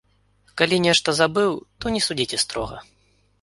Калі нешта забыў, то не судзіце строга.